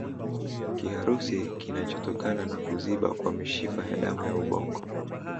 Kiharusi kinachotokana na kuziba kwa mishipa ya damu ya ubongo